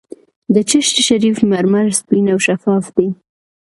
د چشت شریف مرمر سپین او شفاف دي.